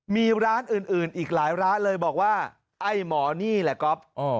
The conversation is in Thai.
มีร้านอื่นอีกหลายร้านเลยบอกว่าไอ้หมอนี่แหละก๊อฟ